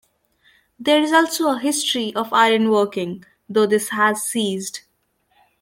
There is also a history of iron working, though this has ceased.